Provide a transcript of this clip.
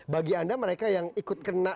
bagi anda mereka yang ikut kena